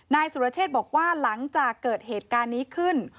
นายสุรเชษบอกว่าหลังจากเกิดเหตุการณ์นี้ขึ้น